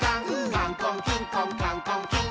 「カンコンキンコンカンコンキン！」